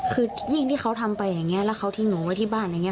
คือยิ่งที่เขาทำไปอย่างนี้แล้วเขาทิ้งหนูไว้ที่บ้านอย่างนี้